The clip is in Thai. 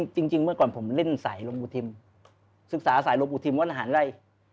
เมื่อก่อนผมเล่นสายลมอุทิมศึกษาสายลมอุทิมวัดอาหารไล่